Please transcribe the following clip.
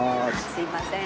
すいません。